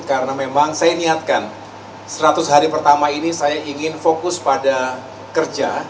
karena memang saya niatkan seratus hari pertama ini saya ingin fokus pada kerja